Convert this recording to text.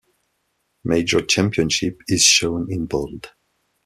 Major championship is shown in bold.